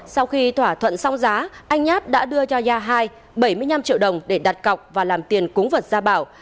sau khi thỏa thuận xong giá anh nhát đã đưa cho ya hai bảy mươi năm triệu đồng để đặt cọc và làm tiền cúng vật gia bảo